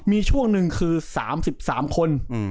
มีช่วงหนึ่งคือ๓๓คน